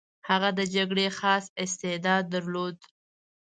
هغه د جګړې خاص استعداد درلود.